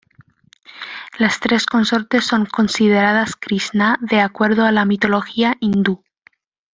Las tres consortes son consideradas Krisná de acuerdo a la mitología hindú.